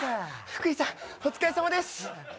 福井さん、お疲れさまです。